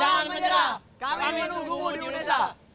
jangan menyerah kami menunggumu di indonesia